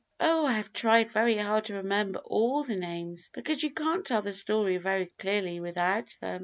"Oh, I have tried very hard to remember all the names, because you can't tell the story very clearly without them.